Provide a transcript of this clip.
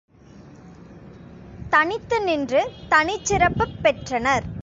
தனித்து நின்று தனிச்சிறப்புப் பெற்றனர்.